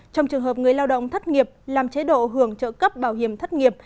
trong trường hợp người lao động thất nghiệp làm chế độ hưởng trợ cấp bảo hiểm thất nghiệp